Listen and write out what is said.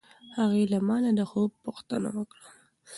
هغې له ما نه د خوب پوښتنه وکړه.